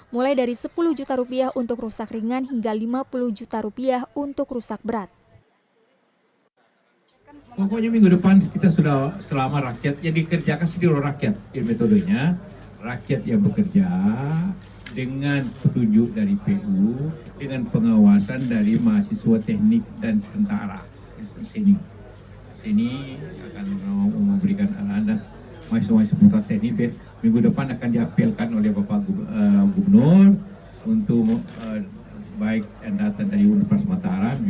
mulai dari sepuluh juta rupiah untuk rusak ringan hingga lima puluh juta rupiah untuk rusak berat